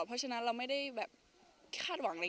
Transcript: เพราะฉะนั้นเราไม่ได้คาดหวัง